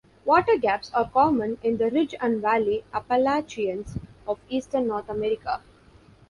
Water gaps are common in the Ridge-and-Valley Appalachians of eastern North America.